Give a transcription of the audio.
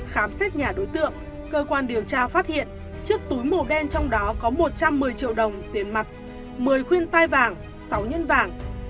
khám xét nhà đối tượng cơ quan điều tra phát hiện chiếc túi màu đen trong đó có một trăm một mươi triệu đồng tiền mặt một mươi khuyên tai vàng sáu nhân vàng